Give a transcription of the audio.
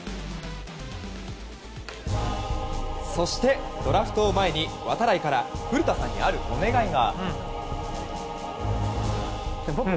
そしてドラフトを前に度会から古田さんに、あるお願いが。